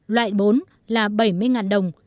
loại bốn là bảy mươi đồng